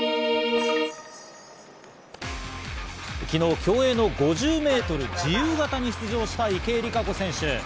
昨日、競泳の５０ｍ自由形に出場した池江璃花子選手。